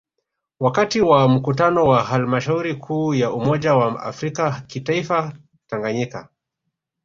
Wakati wa Mkutano wa Halmashauri Kuu ya umoja wa afrika kitaifa Tanganyika